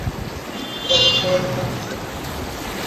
তারপর হঠাৎ আমার খানিক সামনে থেকে একটা পুরুষকণ্ঠ শুনতে পেলাম আমি।